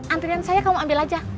antrian saya kamu ambil aja